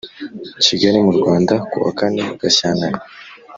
Kigali mu Rwanda kuwa kane Gashyantare